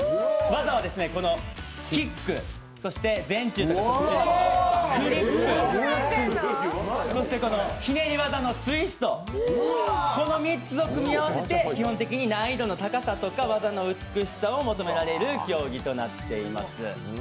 技はですね、キック、そして前宙とか側宙とかフリップ、そしてこのひねり技のツイスト、この３つを組み合わせて基本的に難易度の高さとか技の美しさを求められる競技となっています。